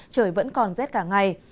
trời vẫn còn rét cả ngày